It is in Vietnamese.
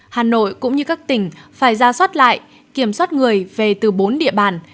hà nội cũng như các tỉnh phải ra soát lại kiểm soát người về từ bốn địa bàn